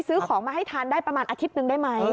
ซื้อของมาให้ทานได้ประมาณอาทิตย์หนึ่งได้ไหม